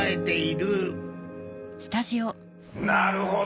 なるほど。